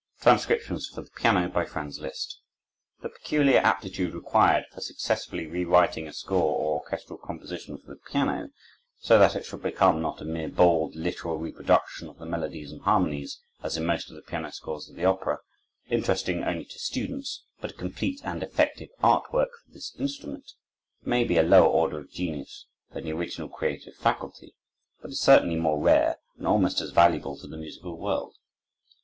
Transcriptions for the Piano by Franz Liszt The peculiar aptitude required for successfully rewriting a song or orchestral composition for the piano, so that it shall become, not a mere bald, literal reproduction of the melodies and harmonies, as in most of the piano scores of the opera, interesting only to students, but a complete and effective art work for this instrument, may be a lower order of genius than the original creative faculty, but is certainly more rare and almost as valuable to the musical world.